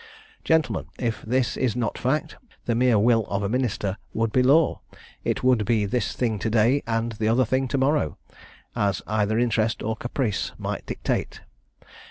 "Gentlemen, if this is not fact, the mere will of a minister would be law; it would be this thing to day and the other thing to morrow, as either interest or caprice might dictate.